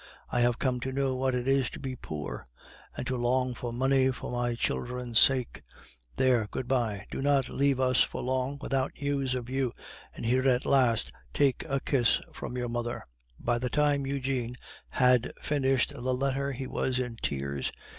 I have come to know what it is to be poor, and to long for money for my children's sake. There, good bye! Do not leave us for long without news of you; and here, at the last, take a kiss from your mother." By the time Eugene had finished the letter he was in tears.